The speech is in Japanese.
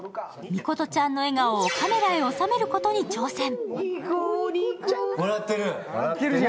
ミコトちゃんの笑顔をカメラに収めることに挑戦。